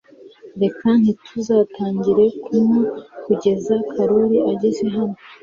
Reka ntitutangire kunywa kugeza karori ageze hano .